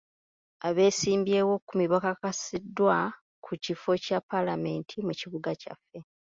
Abeesimbyewo kkumi bakakasiddwa ku kifo kya paalamenti mu kibuga kyaffe.